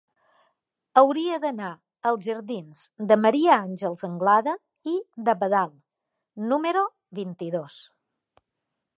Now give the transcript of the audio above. Hauria d'anar als jardins de Maria Àngels Anglada i d'Abadal número vint-i-dos.